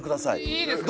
いいですか？